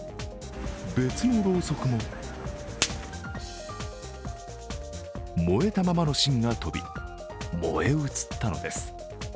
別のろうそくも、燃えたままの芯が飛び燃え移ったのです。